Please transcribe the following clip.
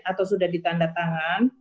atau sudah ditanda tangan